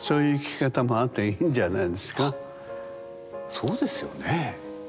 そうですよね。